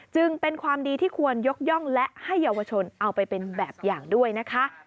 จึงเป็นความดีที่ควรยกย่องและให้เยาวชนเอาไปเป็นแบบอย่างด้วยนะคะ